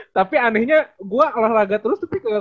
tapi anehnya gue olahraga terus tapi enggak urusin